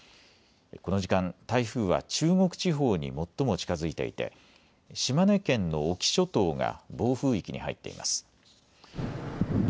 この時間、台風は中国地方に最も近づいていて島根県の隠岐諸島が暴風域に入っています。